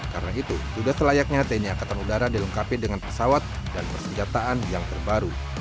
karena itu sudah selayaknya tni angkatan udara dilengkapi dengan pesawat dan persenjataan yang terbaru